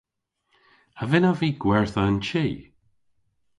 A vynnav vy gwertha an chi?